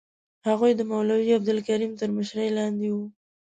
هغوی د مولوي عبدالکریم تر مشرۍ لاندې وو.